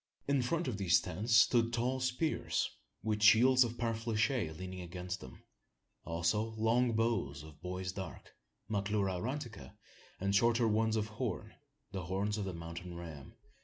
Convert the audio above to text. In front of the tents stood tall spears, with shields of parfleche leaning against them; also long bows of bois d'arc (Maclura aurantica), and shorter ones of horn the horns of the mountain ram.